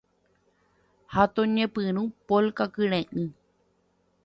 Ha toñepyrũ Polka kyre'ỹ